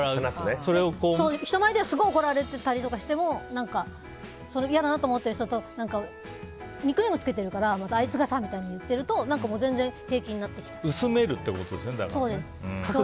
人前ではすごい怒られてたりしてもいやだなと思ってる人とニックネームつけてるからまたあいつがさ、みたいに薄めるってことですね。